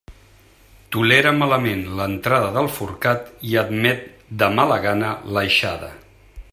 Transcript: Tolera malament l'entrada del forcat i admet de mala gana l'aixada.